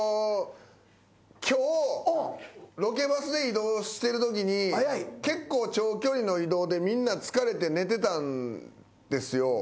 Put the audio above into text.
今日ロケバスで移動してるときに結構長距離の移動でみんな疲れて寝てたんですよ。